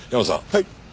はい。